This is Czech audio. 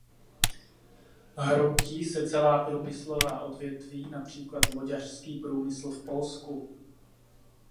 Hroutí se celá průmyslová odvětví, například loďařský průmysl v Polsku.